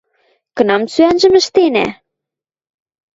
— Кынам сӱӓнжӹм ӹштенӓ?